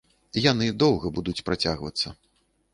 Яны доўга будуць працягвацца.